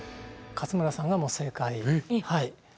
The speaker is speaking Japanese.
勝村さんが正解。え！？